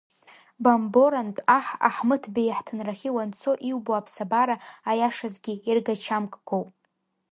Бамборантә аҳ Аҳмыҭбеи иаҳҭынрахьы уанцо иубо аԥсабара, аиашазгьы, иргачамкгоуп.